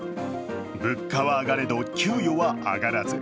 物価は上がれど給与は上がらず。